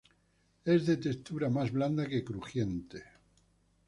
Es de textura más blanda que crujiente.